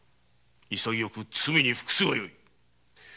潔く罪に服すがよい！